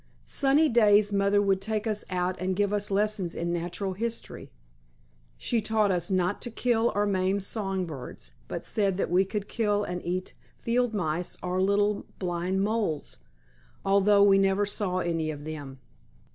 Sunny days mother would take us out and give us lessons in natural history. She taught us not to kill or maim song birds, but said that we could kill and eat field mice or little blind moles, although we never saw any of them.